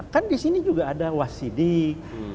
kan di sini juga ada wasidik